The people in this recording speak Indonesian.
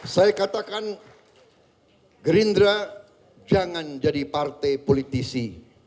saya katakan gerindra jangan jadi partai politisi